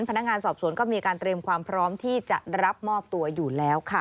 พนักงานสอบสวนก็มีการเตรียมความพร้อมที่จะรับมอบตัวอยู่แล้วค่ะ